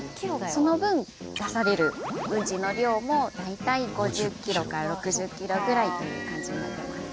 その分出されるウンチの量も大体５０ｋｇから６０ｋｇぐらいという感じになってます